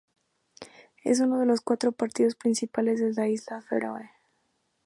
Es uno de los cuatro partidos principales de las Islas Feroe.